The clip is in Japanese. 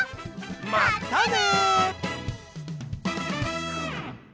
またね！